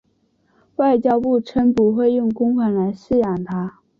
外交部称不会用公款来饲养它。